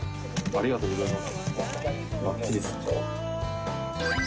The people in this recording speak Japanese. ありがとうございます。